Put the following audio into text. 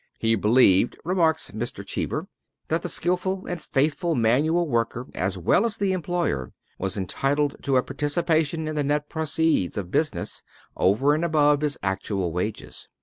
"He believed," remarks Mr. Cheever, "that the skilled and faithful manual worker, as well as the employer, was entitled to a participation in the net proceeds of business, over and above his actual wages.